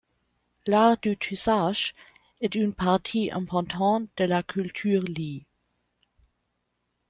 L'art du tissage est une partie importante de la culture Li.